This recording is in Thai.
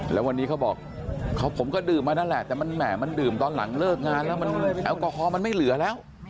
แล้ววันนี้เขาบอกผมก็ดื่มมานั่นแหละแต่มันแหม่มันดื่มตอนหลังเลิกงานแล้วมันแอลกอฮอลมันไม่เหลือแล้ว